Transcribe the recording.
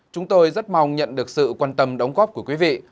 chúng tôi rất mong nhận được sự quan tâm đóng góp của quý vị